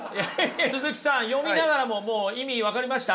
鈴木さん読みながらももう意味分かりました？